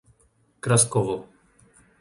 Kraskovo